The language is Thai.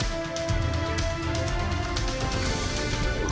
ติดตามตอนต่อไป